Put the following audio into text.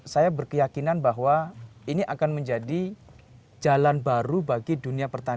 saya berkeyakinan bahwa ini akan menjadi jalan baru bagi dunia pertanian